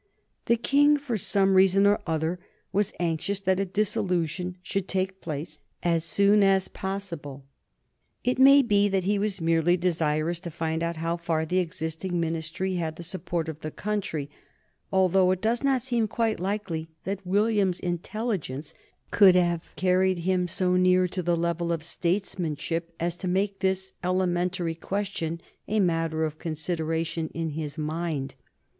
The King, for some reason or other, was anxious that a dissolution should take place as soon as possible. It may be that he was merely desirous to find out how far the existing Ministry had the support of the country, although it does not seem quite likely that William's intelligence could have carried him so near to the level of statesmanship as to make this elementary question a matter of consideration in his mind.